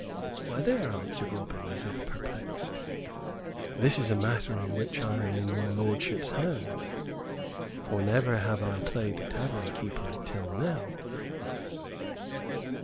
"Why, there," answered Robin, as if perplexed, "this is a matter in which I am in your lordship's hands, for never have I played tavern keeper till now."